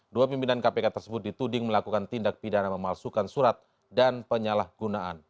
dua pimpinan kpk tersebut dituding melakukan tindak pidana memalsukan surat dan penyalahgunaan